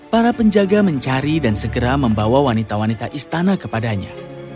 para penjaga mencari dan segera membawa wanita wanita istana kepadanya